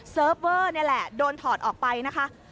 เวอร์นี่แหละโดนถอดออกไปนะคะ